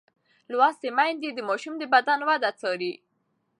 لوستې میندې د ماشوم د بدن د وده څاري.